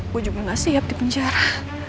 gue juga nggak siap di penjara